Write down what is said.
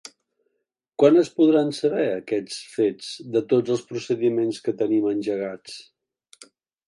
Quan es podran saber aquests fets, de tots els procediments que tenim engegats?